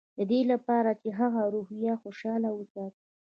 د دې لپاره چې د هغه روحيه خوشحاله وساتي.